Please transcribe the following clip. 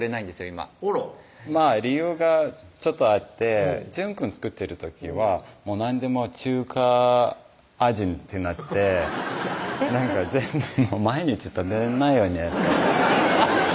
今あら理由がちょっとあって純くん作ってる時は何でも中華味ってなってなんか全部毎日食べられないよね